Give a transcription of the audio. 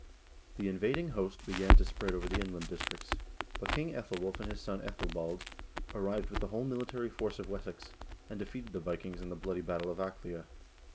The invading host began to spread over the inland districts, but King iEthelwulf and his son iEthelbald arrived with the whole military force of Wessex, and defeated the Vikings in the bloody battle of Aclea.